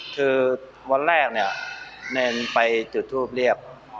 คือวันแรกเนี่ยแนนไปจุดทูปเรียก